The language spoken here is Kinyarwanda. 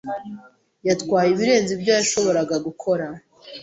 Yatwaye ibirenze ibyo yashoboraga gukora.